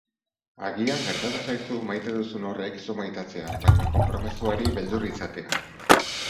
Agian gertatu zaizu maite duzun horrek zu maitatzea, baina konpromezuari beldur izatea.